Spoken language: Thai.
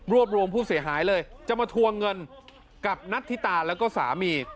รวมรวมผู้เสียหายเลยจะมาทวงเงินกับนัทธิตาแล้วก็สามี